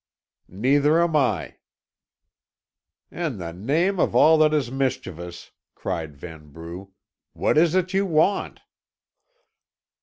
"Neither am I." "In the name of all that is mischievous," cried Vanbrugh, "what is it you want?"